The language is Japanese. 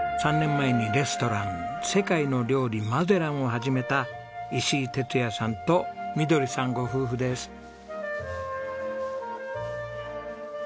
３年前にレストラン世界の料理マゼランを始めた石井哲也さんとみどりさんご夫婦です。